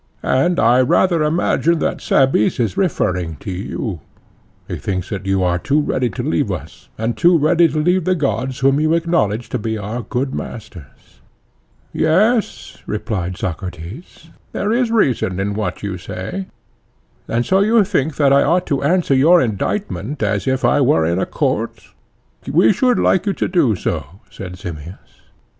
And I rather imagine that Cebes is referring to you; he thinks that you are too ready to leave us, and too ready to leave the gods whom you acknowledge to be our good masters. Yes, replied Socrates; there is reason in what you say. And so you think that I ought to answer your indictment as if I were in a court? We should like you to do so, said Simmias.